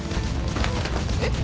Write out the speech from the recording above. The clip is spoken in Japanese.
えっ？